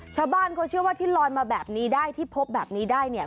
ชาวบ้านเขาเชื่อว่าที่ลอยมาแบบนี้ได้ที่พบแบบนี้ได้เนี่ย